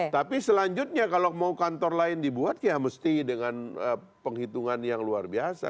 tapi selanjutnya kalau mau kantor lain dibuat ya mesti dengan penghitungan yang luar biasa